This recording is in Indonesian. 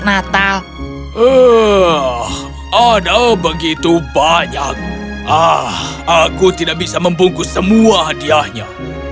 natal ada begitu banyak ah aku tidak bisa membungkus semua hadiahnya